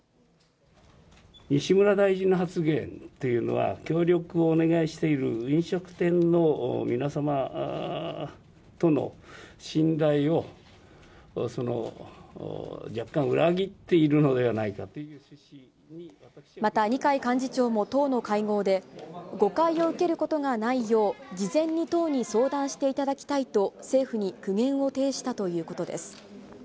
西村大臣の発言というのは、協力をお願いしている飲食店の皆様との信頼を、若干、裏切っていまた二階幹事長も、党の会合で、誤解を受けることがないよう、事前に党に相談していただきたいと、政府に苦言を呈したということです。